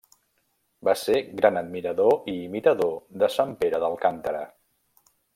Va ser gran admirador i imitador de sant Pere d'Alcántara.